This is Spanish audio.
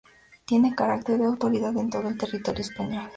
Tiene carácter de autoridad en todo el territorio español.